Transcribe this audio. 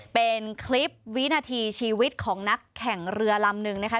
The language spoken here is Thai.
เป็นคลิปวินาทีชีวิตของนักแข่งเรือลำนึงนะคะ